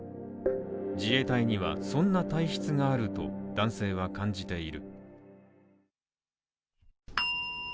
自衛隊にはそんな体質があると、男性は感じている。